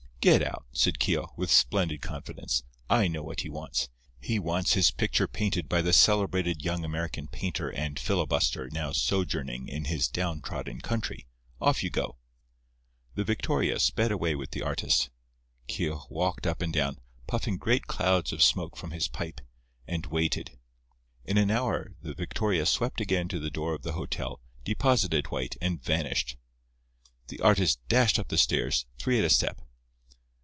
"Get out!" said Keogh, with splendid confidence. "I know what he wants. He wants his picture painted by the celebrated young American painter and filibuster now sojourning in his down trodden country. Off you go." The victoria sped away with the artist. Keogh walked up and down, puffing great clouds of smoke from his pipe, and waited. In an hour the victoria swept again to the door of the hotel, deposited White, and vanished. The artist dashed up the stairs, three at a step.